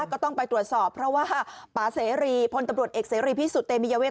ก็ต้องไปตรวจสอบเพราะว่าป่าเสรีพลตำรวจเอกเสรีพิสุทธิเตมียเวท